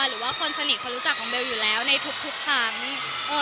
หรือว่าคนสนิทเขารู้จักของเบลอยู่แล้วในทุกทุกครั้งเอ่อ